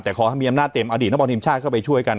แต่ขอให้มีอำนาจเต็มอดีตนักบอลทีมชาติเข้าไปช่วยกัน